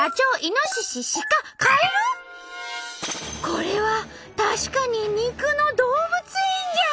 これは確かに肉の動物園じゃ！